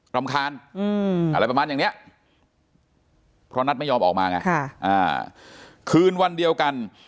รำคาญอะไรประมาณอย่างนี้เพราะนัทไม่ยอมออกมาไงคืนวันเดียวกัน